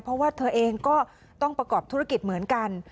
เพราะว่าเธอเองก็ต้องประกอบธุรกิจเหมือนกัน